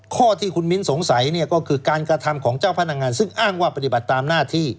ข้อที่คุณมิ้นสงสัยเนี่ยก็คือการกระทำของเจ้าพนักงานซึ่งอ้างว่าปฏิบัติตามหน้าที่